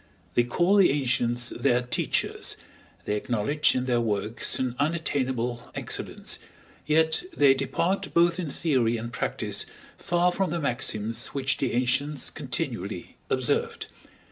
They call the ancients their teachers, they acknowledge in their works an unattainable excellence, yet they depart both in theory and practice far from the maxims which the ancients continually observed.